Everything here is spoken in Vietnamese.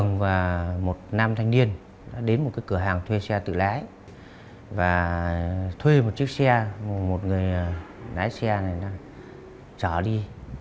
nãy xe này nó chở đi